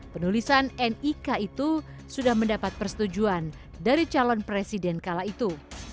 penulisan nik itu sudah mendapat persetujuan dari calon presiden kala itu